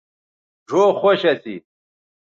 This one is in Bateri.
ڙھؤ خوش اسی